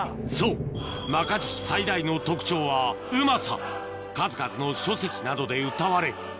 そうマカジキ最大の特徴はうまさ数々の書籍などでうたわれ